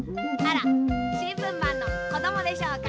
しんぶんマンのこどもでしょうか。